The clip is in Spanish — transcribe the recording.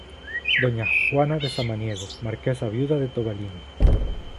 Doña Juana de Samaniego, marquesa viuda de Tobalina.